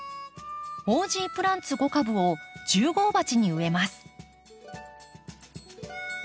オージープランツ５株を１０号鉢に植えます。